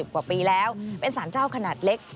กว่าปีแล้วเป็นสารเจ้าขนาดเล็ก